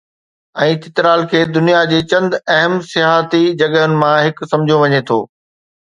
۽ چترال کي دنيا جي چند اهم سياحتي جڳهن مان هڪ سمجهيو وڃي ٿو.